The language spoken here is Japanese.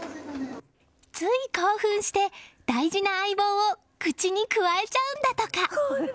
つい興奮して、大事な相棒を口にくわえちゃうんだとか。